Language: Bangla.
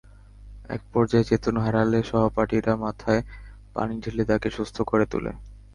একপর্যায়ে চেতন হারালে সহপাঠীরা মাথায় পানি ঢেলে তাকে সুস্থ করে তোলে।